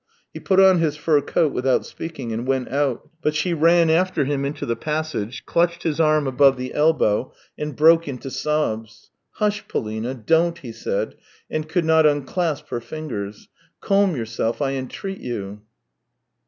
He put on his fur coat without speaking and went out, but she ran after him into the passage, clutched his arm above the elbow, and broke into sobs. " Hush, Polina ! Don't !" he said, and could not unclasp her fingers. " Calm yourself, I entreat you."